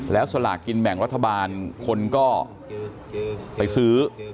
แล้วสลากกินแบ่งรัฐบาลคนก็ไปซื้อ